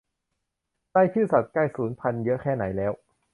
รายชื่อสัตว์ใกล้สูญพันธุ์เยอะแค่ไหนแล้ว